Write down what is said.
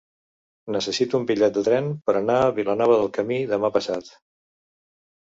Necessito un bitllet de tren per anar a Vilanova del Camí demà passat.